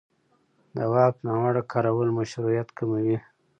د واک ناوړه کارول مشروعیت کموي